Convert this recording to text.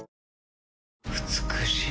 美しい。